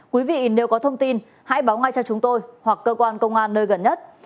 quý vị nếu có thông tin hãy báo ngay cho chúng tôi hoặc cơ quan công an nơi gần nhất